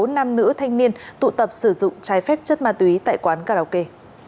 một mươi sáu nam nữ thanh niên tụ tập sử dụng trái phép chất ma túy tại quán karaoke